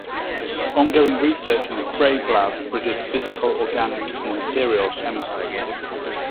Ongoing research in the Craig lab bridges physical organic and materials chemistry.